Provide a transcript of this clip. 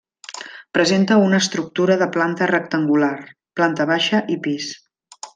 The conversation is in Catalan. Presenta una estructura de planta rectangular, planta baixa i pis.